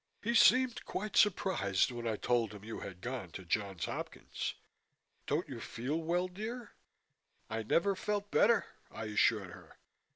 He seemed quite surprised when I told him you had gone to Johns Hopkins. Don't you feel well, dear?" "I never felt better," I assured her.